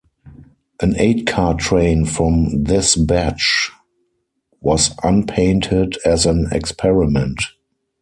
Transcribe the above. An eight car train from this batch was unpainted as an experiment.